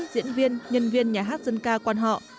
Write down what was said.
diễn viên nhân viên nhà hát dân ca quan họ